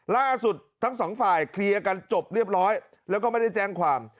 ล่าสุดทั้งสองฝ่ายเคลียร์กันจบเรียบร้อยแล้วก็ไม่ได้แจ้งความ